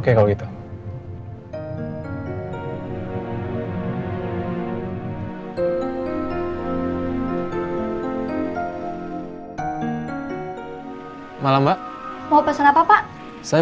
kita cari tempat makan ya